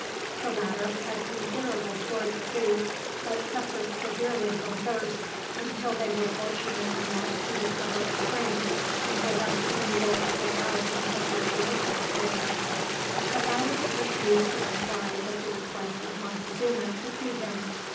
The latter had considerable stores of food, but suffered severely from thirst until they were fortunate enough to discover a spring, and were thus enabled to hold out until the arrival of Cortez. The latter refused to comply with the request of Montezuma to see him.